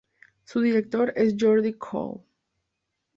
Su director es Jordi Coll.